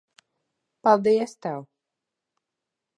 Paldies tev.